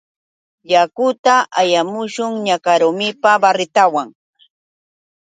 Yakunta allamushun. Nakarumipa baritawan